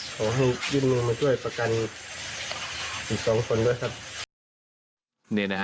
ขอให้ยื่นมือมาช่วยประกันอีก๒คนด้วยครับ